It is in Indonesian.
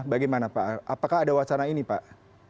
bagaimana pak apakah ada wacana ini pak